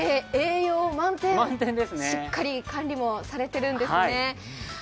栄養満点、しっかり管理もされてるんですね。